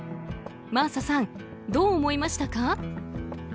真麻さん、どう思いましたか？